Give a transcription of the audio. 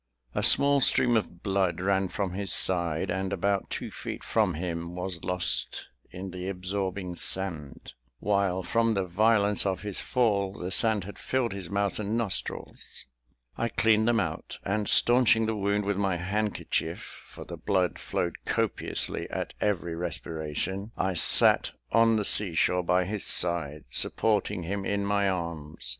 A small stream of blood ran from his side, and, about two feet from him, was lost in the absorbing sand; while from the violence of his fall the sand had filled his mouth and nostrils. I cleaned them out; and, staunching the wound with my handkerchief, for the blood flowed copiously at every respiration, I sat on the sea shore by his side, supporting him in my arms.